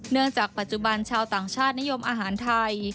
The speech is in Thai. จากปัจจุบันชาวต่างชาตินิยมอาหารไทย